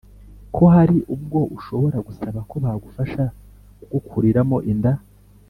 ko hari ubwo ushobora gusaba ko bagufasha kugukuriramo inda